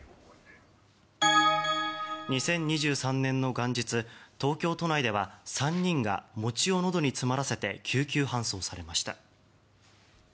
２０２３年の元日東京都内では３人が餅をのどに詰まらせて救急搬送されました。